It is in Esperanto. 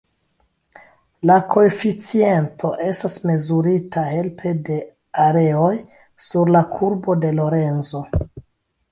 La koeficiento estas mezurita helpe de areoj sur la Kurbo de Lorenzo.